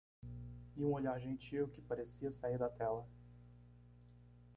E um olhar gentil que parecia sair da tela.